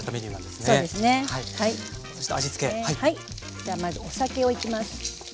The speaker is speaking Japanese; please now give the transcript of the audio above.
じゃあまずお酒をいきます。